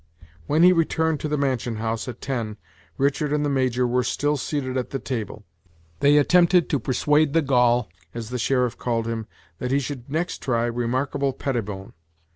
When he returned to the mansion house, at ten, Richard and the Major were still seated at the table. They at tempted to persuade the Gaul, as the sheriff called him, that he should next try Remarkable Pettibone.